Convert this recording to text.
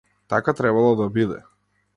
Така требало да биде.